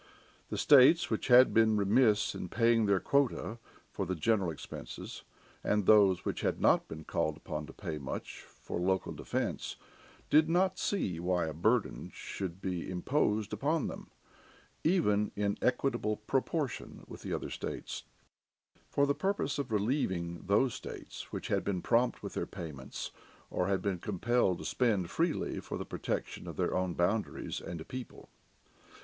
The states which had been remiss in paying their quota for the general expenses and those which had not been called upon to pay much for local defense did not see why a burden should be imposed upon them, even in equitable proportion with the other states, for the purpose of relieving those states which had been prompt with their payments or had been compelled to spend freely for the protection of their own boundaries and people.